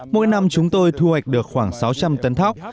mỗi năm chúng tôi thu hoạch được khoảng sáu trăm linh tấn thóc